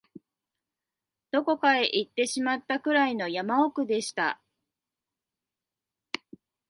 どこかへ行ってしまったくらいの山奥でした